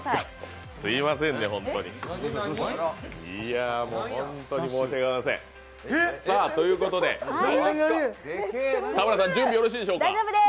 本当に申し訳ございませんさあ、ということで、田村さん、準備よろしいでしょうか。